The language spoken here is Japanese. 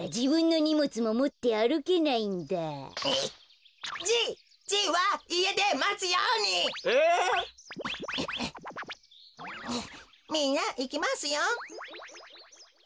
みんないきますよ。